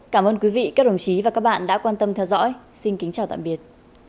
cảm ơn quý vị các đồng chí và các bạn đã quan tâm theo dõi xin kính chào tạm biệt